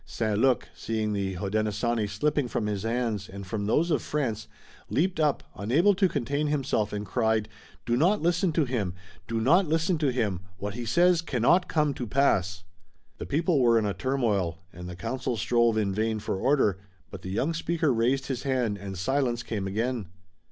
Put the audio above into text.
St. Luc, seeing the Hodenosaunee slipping from his hands and from those of France, leaped up, unable to contain himself, and cried: "Do not listen to him! Do not listen to him! What he says cannot come to pass!" The people were in a turmoil, and the council strove in vain for order, but the young speaker raised his hand and silence came again.